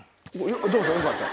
どうぞよかったら。